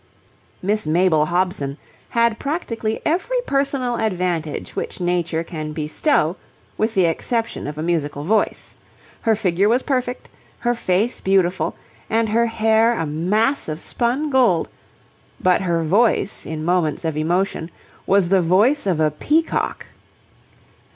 Miss Mabel Hobson had practically every personal advantage which nature can bestow with the exception of a musical voice. Her figure was perfect, her face beautiful, and her hair a mass of spun gold; but her voice in moments of emotion was the voice of a peacock.